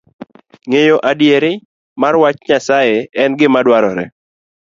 Ng'eyo adiera mar wach Nyasaye en gima dwarore